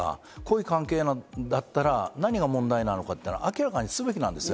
濃い関係だったら何が問題なのか明らかにすべきなんです。